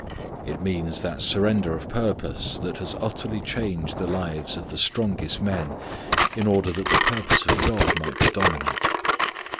It means that surrender of purpose that has utterly changed the lives of the strongest men in order that the purpose of God might be dominant.